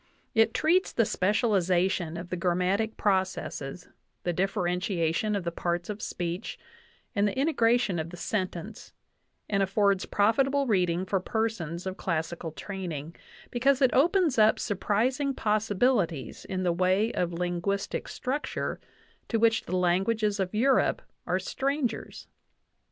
It treats the specialization of the grammatic processes, the dif ferentiation of the parts of speech, and the integration of the sentence, and affords profitable reading for persons of classical training, because it opens up surprising possibilities in the way of linguistic structure to which the languages of Europe are strangers.